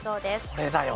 これだよ！